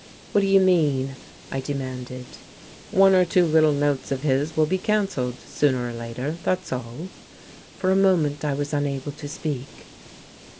"What do you mean?" I demanded. "One or two little notes of his will be cancelled, sooner or later that's all." For a moment I was unable to speak.